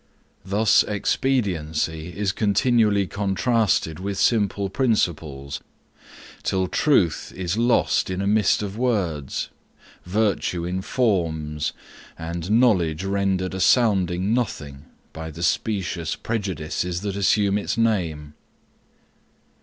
Thus expediency is continually contrasted with simple principles, till truth is lost in a mist of words, virtue in forms, and knowledge rendered a sounding nothing, by the specious prejudices that assume its name.